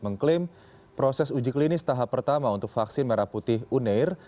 mengklaim proses uji klinis tahap pertama untuk vaksin merah putih uneir